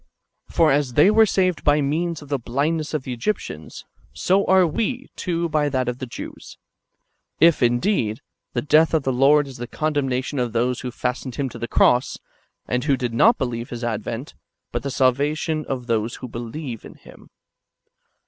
For as they were saved by means of the blindness of the Egyptians, so are we, too, by that of the Jews ; if, indeed, the death of the Lord is the condemnation of those who fastened Him to the cross, and who did not believe His advent, but the salvation of those who believe in Him.